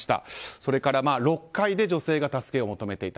それから、６階で女性が助けを求めていた。